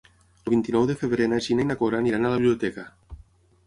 El vint-i-nou de febrer na Gina i na Cora aniran a la biblioteca.